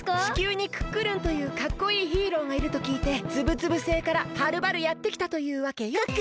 地球にクックルンというかっこいいヒーローがいるときいてつぶつぶ星からはるばるやってきたというわけよ！